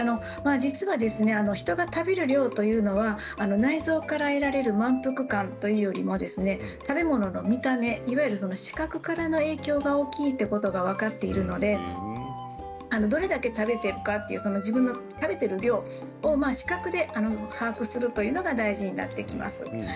実は人が食べる量というのは内臓から得られる満腹感というよりも食べ物の見た目、いわゆる視覚からの影響が大きいということが分かっているのでどれだけ食べているかという自分の食べている量それを視覚で把握するということが大事になってきます。